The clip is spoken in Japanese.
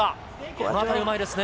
このあたりうまいですね。